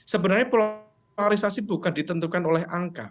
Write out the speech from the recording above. sebenarnya polarisasi bukan ditentukan oleh angka